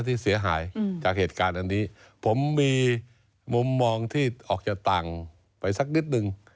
ที่เสียหายจากเหตุการณ์อันนี้ผมมีมุมมองที่ออกจากต่างไปสักนิดนึง